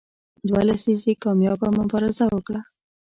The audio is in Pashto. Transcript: دوه لسیزې کامیابه مبارزه وکړه.